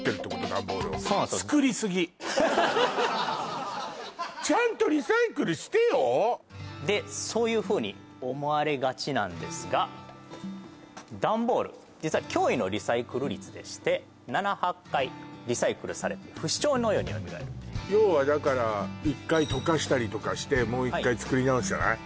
ダンボールをそうなんですよでそういうふうに思われがちなんですがダンボール実は驚異のリサイクル率でして７８回リサイクルされて不死鳥のように蘇る要はだから一回溶かしたりとかしてもう一回作り直すじゃない？